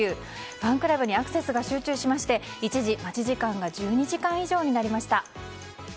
ファンクラブにアクセスが集中しまして一時、待ち時間が１２時間以上になりました。